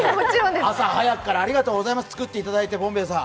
朝早くからありがとうございます、作っていただき、ボンベイさん。